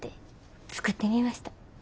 作ってみました。